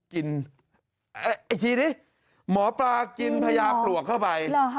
ไอ้ทีนี้หมอปลากินพญาปลวกเข้าไป